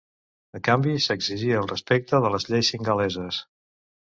A canvi s'exigia el respecte de les lleis singaleses.